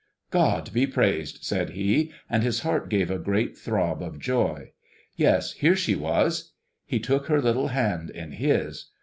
"God be praised!" said he, and his heart gave a great throb of joy. Yes, here she was! He took her little hand in his.